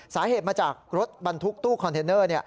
สาเหตุมาจากรถบรรทุกตู้คอนเทนเนอร์